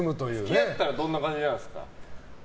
付き合ったらどんな感じなんですか。